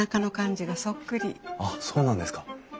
あっそうなんですか。